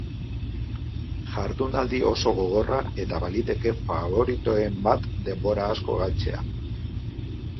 Jardunaldi oso gogorra eta baliteke faboritoen bat denbora asko galtzea.